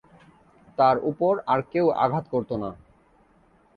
তার উপর আর কেউ আঘাত করত না।